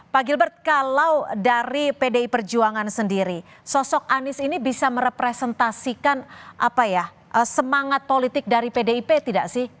pak gilbert kalau dari pdi perjuangan sendiri sosok anies ini bisa merepresentasikan semangat politik dari pdip tidak sih